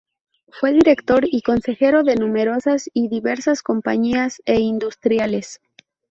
Fue director y consejero de numerosas y diversas compañías e industriales.